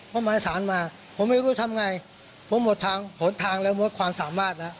เพราะหมายสารมาผมไม่รู้ทำไงผมหมดทางผลทางแล้วหมดความสามารถแล้ว